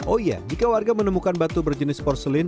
oh iya jika warga menemukan batu berjenis porselin